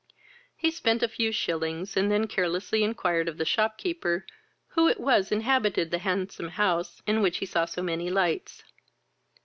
He spent a few shillings, and then carelessly inquired of the shopkeeper who it was inhabited the handsome house in which he saw so many lights.